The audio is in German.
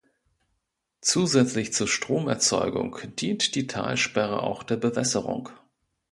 Zusätzlich zur Stromerzeugung dient die Talsperre auch der Bewässerung.